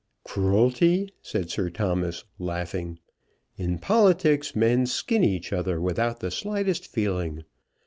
"Cruelty!" said Sir Thomas laughing. "In politics men skin each other without the slightest feeling.